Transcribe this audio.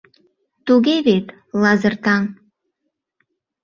Туге вет, Лазыр таҥ?